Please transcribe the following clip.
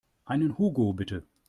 Einen Hugo bitte.